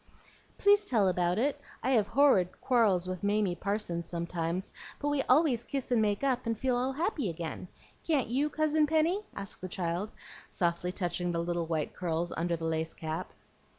"Please tell about it. I have horrid quarrels with Mamie Parsons sometimes, but we always kiss and make up, and feel all happy again. Can't you, Cousin Penny?" asked the child, softly touching the little white curls under the lace cap.